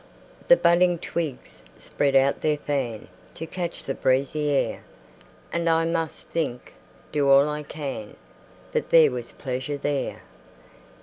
The budding twigs spread out their fan, To catch the breezy air; And I must think, do all I can, That there was pleasure there.